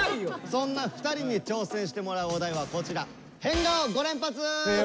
そんな２人に挑戦してもらうお題はこちら。